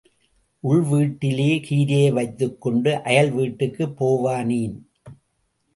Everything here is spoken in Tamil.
உள் வீட்டிலே கீரையை வைத்துக்கொண்டு அயல் வீட்டுக்குப் போவானேன்?